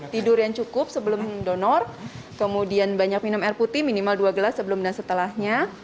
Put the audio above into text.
tidur yang cukup sebelum donor kemudian banyak minum air putih minimal dua gelas sebelum dan setelahnya